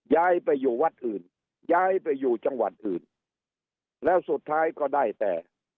ย้ายไปอยู่วัดอื่นย้ายไปอยู่จังหวัดอื่นแล้วสุดท้ายก็ได้แต่